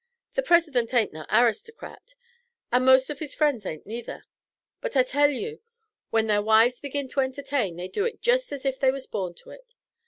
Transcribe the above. The President ain't no aristocrat, and most of his friends ain't neither; but I tell you when their wives begin to entertain they do it jest as if they was born to it.